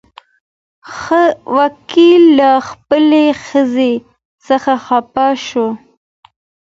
وکيل له خپلې ښځې څخه خپه شو.